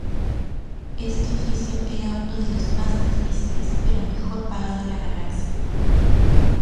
Este oficio era uno de los más difíciles pero mejor pagado en la galaxia.